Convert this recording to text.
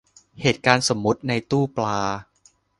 เหตุการณ์สมมติในตู้ปลา